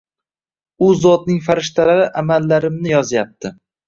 U Zotning farishtalari amallarimni yozyapti.